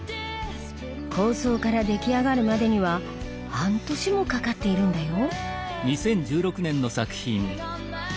構想から出来上がるまでには半年もかかっているんだよ。